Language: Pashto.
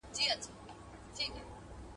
نه قاضي نه زولانه وي نه مو وېره وي له چانه !.